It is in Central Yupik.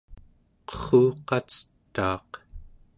qerruqacetaaq